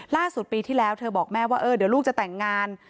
ปีที่แล้วเธอบอกแม่ว่าเดี๋ยวลูกจะแต่งงาน